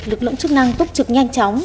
lực lượng chức năng túc trực nhanh chóng